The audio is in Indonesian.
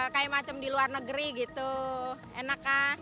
kayaknya kayak di luar negeri gitu enak kan